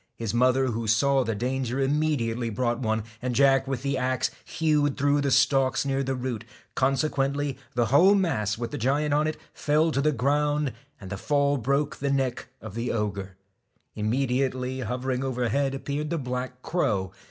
His mother, who saw the danger, immediately brought one; and Jack with the axe hewed through the stalks near the root ; consequently the whole mass with the giant on it fell to the ground, and the fall broke the neck of the ogre. Immediately hovering overhead appeared the black crow.